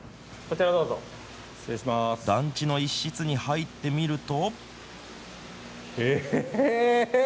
団地の一室に入ってみると。